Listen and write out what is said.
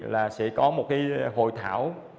là sẽ có một hội thảo